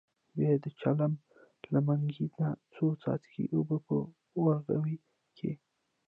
بیا یې د چلم له منګي نه څو څاڅکي اوبه په ورغوي کې.